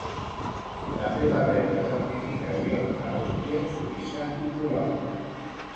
També va rebre certificacions a Àustria, Suïssa i Polònia.